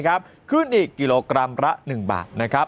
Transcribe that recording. ขึ้นอีกกิโลกรัมละ๑บาทนะครับ